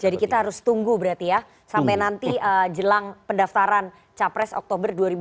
jadi kita harus tunggu berarti ya sampai nanti jelang pendaftaran capres oktober dua ribu dua puluh tiga